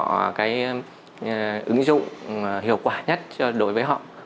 hướng dẫn ứng dụng hiệu quả nhất đối với họ